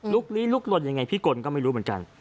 ลี้ลุกลนยังไงพี่กลก็ไม่รู้เหมือนกัน